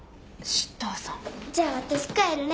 じゃあ私帰るね。